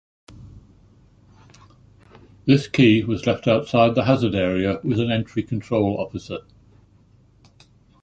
This key was left outside the hazard area with an entry control officer.